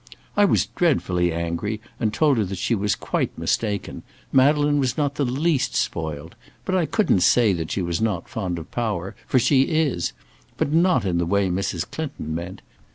I was dreadfully angry and told her she was quite mistaken Madeleine was not the least spoiled. But I couldn't say that she was not fond of power, for she is; but not in the way Mrs. Clinton meant.